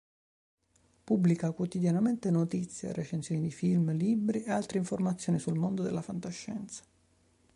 Pubblica quotidianamente notizie, recensioni di film, libri e altre informazioni sul mondo della fantascienza.